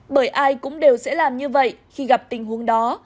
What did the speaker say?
bởi ai cũng đều sẽ làm như vậy khi gặp tình huống đó